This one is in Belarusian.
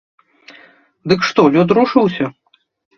Дык што лёд рушыўся?